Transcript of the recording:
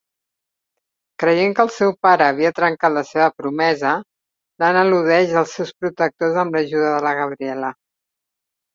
Creient que el seu pare havia trencat la seva promesa, l'Anna eludeix els seus protectors amb l'ajuda de la Gabriela.